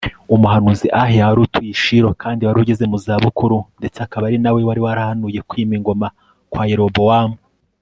umuhanuzi Ahiya wari utuye i Shilo kandi wari ugeze mu za bukuru ndetse akaba ari na we wari warahanuye kwima ingoma kwa Yerobowamu